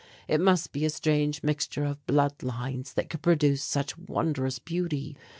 It must be a strange mixture of blood lines that could produce such wondrous beauty.